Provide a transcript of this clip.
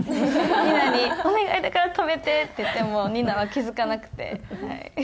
ＮＩＮＡに「お願いだから止めて！」って言ってもＮＩＮＡは気付かなくてはい。